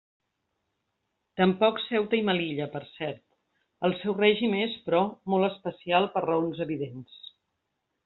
Tampoc Ceuta i Melilla, per cert —el seu règim és, però, molt especial per raons evidents.